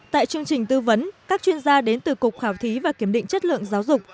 tại chương trình tư vấn các chuyên gia đến từ cục khảo thí và kiểm định chất lượng giáo dục